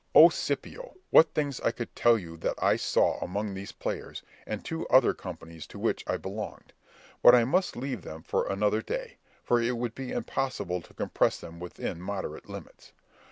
Oh, Scipio! what things I could tell you that I saw among these players, and two other companies to which I belonged; but I must leave them for another day, for it would be impossible to compress them within moderate limits.